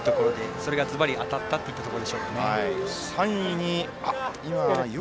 それがずばり当たったというところでしょう。